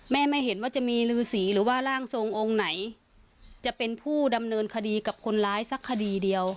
ไม่เห็นว่าจะมีฤษีหรือว่าร่างทรงองค์ไหนจะเป็นผู้ดำเนินคดีกับคนร้ายสักคดีเดียว